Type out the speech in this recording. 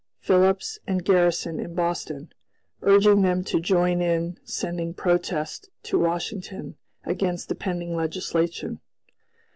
Phillips and Garrison in Boston, urging them to join in sending protests to Washington against the pending legislation.